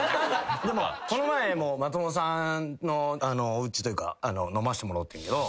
でもこの前も松本さんのおうちというか飲ませてもろうてんけど。